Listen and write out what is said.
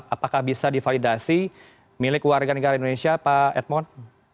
apakah bisa divalidasi milik warga negara indonesia pak edmond